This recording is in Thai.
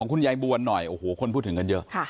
คุณยายบวนหน่อยโอ้โหคนพูดถึงกันเยอะ